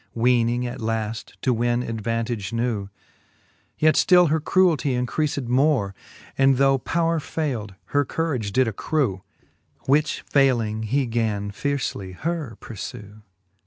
Weening at laft to win advantage new ; Yet ftill her cruel tie increaled more. And though powre faild, her courage did accrew. Which fayling, he gan fiercely her purfew.